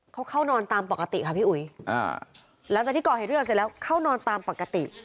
เขาเข้านอนตามปกติค่ะพี่อุ๋ยอ่าหลังจากที่ก่อเหตุทุกอย่างเสร็จแล้วเข้านอนตามปกติ